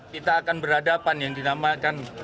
kita akan berhadapan yang dinamakan